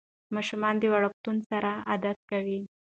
ماشوم د وړکتون سره عادت کوي.